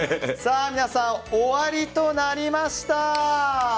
皆さん、終わりとなりました。